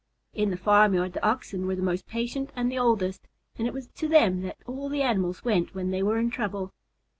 In the farmyard the Oxen were the most patient and the oldest, and it was to them that all the animals went when they were in trouble.